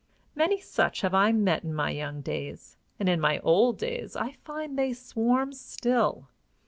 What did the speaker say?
Many such have I met in my young days, and in my old days I find they swarm still.